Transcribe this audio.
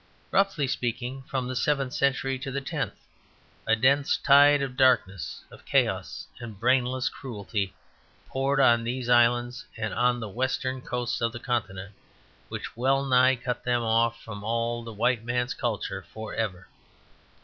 Roughly speaking, from the seventh century to the tenth, a dense tide of darkness, of chaos and brainless cruelty, poured on these islands and on the western coasts of the Continent, which well nigh cut them off from all the white man's culture for ever.